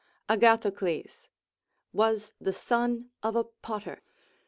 Agathocles was the son of a potter.